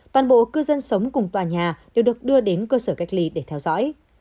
toàn bộ cư dân sống cùng tòa nhà đều được đưa đến cơ sở cách ly để theo dõi